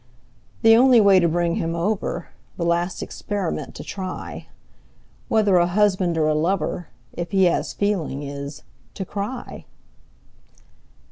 The only way to bring him over, The last experiment to try, Whether a husband or a lover, If he have feeling, is, to cry!